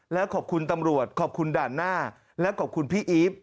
แล้วขอบคุณตำรวจขอบคุณด่านหน้าและขอบคุณพี่อีฟ